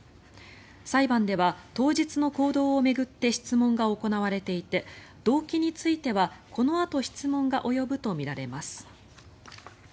裁判では当日の行動を巡って質問が行われていて動機についてはこのあと質問が及ぶとみられます。